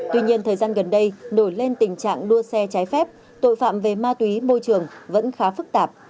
tuy nhiên thời gian gần đây nổi lên tình trạng đua xe trái phép tội phạm về ma túy môi trường vẫn khá phức tạp